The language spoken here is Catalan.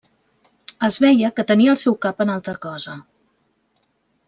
Es veia que tenia el seu cap en altra cosa.